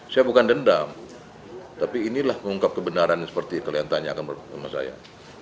saya bukan dendam tapi inilah mengungkap kebenaran seperti yang kalian tanya sama saya